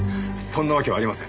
そんなわけはありません。